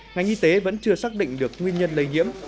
ngành y tế vẫn chưa xác định được nguyên nhân lây nhiễm